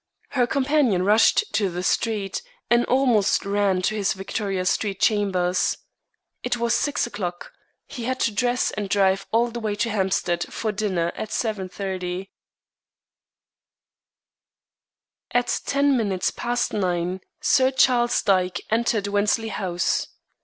Her companion rushed to the street, and almost ran to his Victoria Street chambers. It was six o'clock. He had to dress and drive all the way to Hampstead for dinner at 7.30. At ten minutes past nine Sir Charles Dyke entered Wensley House.